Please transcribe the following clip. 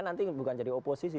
nanti bukan jadi oposisi